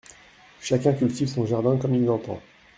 Chacun cultive son jardin comme il l’entend !